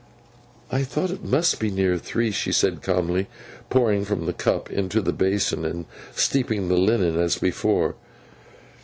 'I thought it must be near three,' she said, calmly pouring from the cup into the basin, and steeping the linen as before.